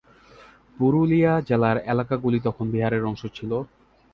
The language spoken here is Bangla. পুরুলিয়া জেলার এলাকাগুলি তখন বিহারের অংশ ছিল।